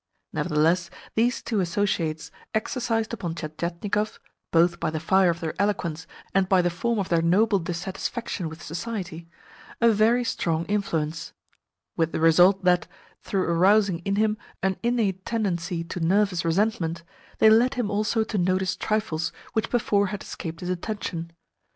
Nevertheless these two associates exercised upon Tientietnikov both by the fire of their eloquence and by the form of their noble dissatisfaction with society a very strong influence; with the result that, through arousing in him an innate tendency to nervous resentment, they led him also to notice trifles which before had escaped his attention.